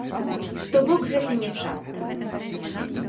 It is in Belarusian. То бок гэта не часта.